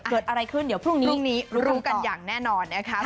เกิดอะไรขึ้นเดี๋ยวพรุ่งนี้พรุ่งนี้รู้กันอย่างแน่นอนนะคะ